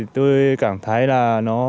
tôi cảm thấy là nó